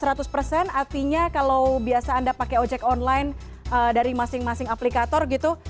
artinya kalau biasa anda pakai ojek online dari masing masing aplikator gitu